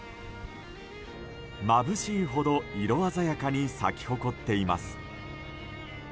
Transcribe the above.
まぶしいほど色鮮やかに咲き誇っています。